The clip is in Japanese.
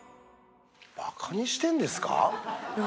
バカにしてんですか？